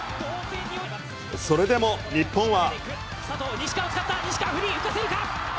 それでも日本は。